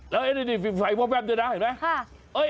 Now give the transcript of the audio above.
แล้วนี่ทีมไฟพ่อแป๊ปเดี๋ยวนะตอนนี้